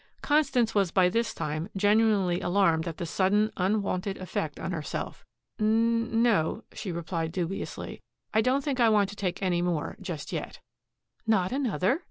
Constance was by this time genuinely alarmed at the sudden unwonted effect on herself. "N no," she replied dubiously, "I don't think I want to take any more, just yet." "Not another?"